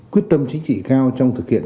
quyết tâm chính trị cao trong thực hiện